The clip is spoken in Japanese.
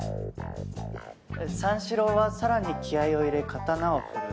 三四郎はさらに気合を入れ刀を振る。